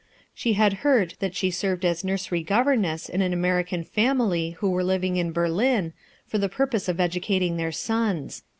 She had heard that she served as nursery governess in an American family who were living in Berlin, for the purpose of educating their sons.